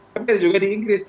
tapi ada juga di inggris